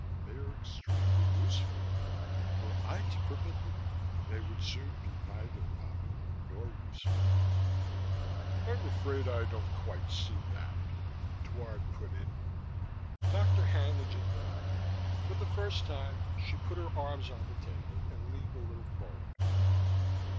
They are extremely useful. Were I to permit them, they would soon be neither popular nor useful." "I'm afraid I don't quite see that," Dward put in. Dr. Haenlingen nodded. For the first time, she put her arms on the table and leaned a little forward.